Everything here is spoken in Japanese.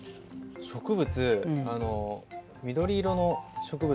植物緑色の植物